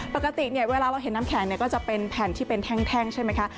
ปกติเนี่ยเวลาเราเห็นน้ำแข็งก็จะเป็นแผ่นที่เป็นแท่งใช่ไหมคะ